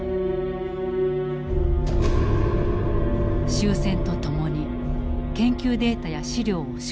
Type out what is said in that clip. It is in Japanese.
終戦とともに研究データや資料を焼却。